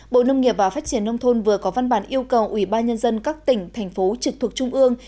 bộ nông nghiệp và phát triển nông thôn vừa có văn bản yêu cầu ủy ban nhân dân các tỉnh thành phố trực thuộc trung ương